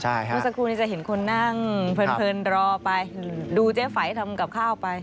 ใช่ครับคุณสักครู่จะเห็นคุณนั่งเผินรอไปดูเจ๊ไฝ่ทำกับข้าวไป